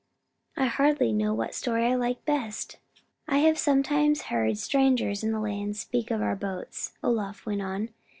I hardly know what story I like best." "I have sometimes heard strangers in the land speak about our boats," Olaf went on.